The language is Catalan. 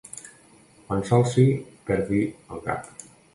Quan s'alci perdi el cap.